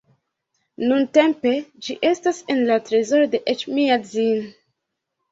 Nuntempe ĝi estas en la trezoro de Eĉmiadzin.